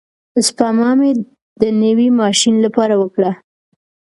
سپما مې د نوي ماشین لپاره وکړه.